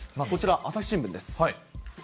こちら、朝日新聞です。